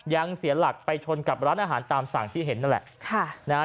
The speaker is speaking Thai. เสียหลักไปชนกับร้านอาหารตามสั่งที่เห็นนั่นแหละค่ะนะฮะ